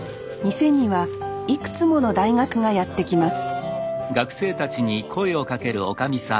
店にはいくつもの大学がやって来ます